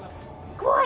怖い！